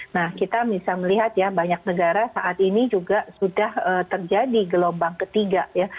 nah kita bisa melihat ya banyak negara saat ini juga sudah terjadi gelombang ketiga ya